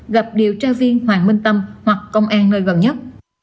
gặp điều tra viên hoàng minh tâm hoặc công an nơi gần nhất